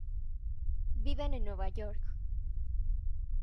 Viven en Nueva York.